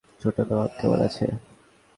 ছোট নবাব কেমন আছে?